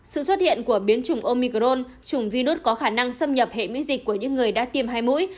sự xuất hiện của biến chủng omicron trùng virus có khả năng xâm nhập hệ miễn dịch của những người đã tiêm hai mũi